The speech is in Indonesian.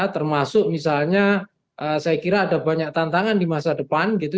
termasuk misalnya saya kira ada banyak tantangan di masa depan gitu